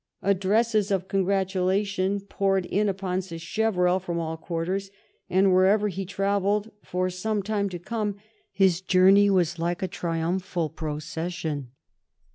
Addresses of congratulation poured in upon Sacheverell from all quarters, and wherever he travelled for some time to come his journey was like a triumphal procession.